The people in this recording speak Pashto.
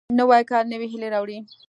نوی کال نوې هیلې راوړي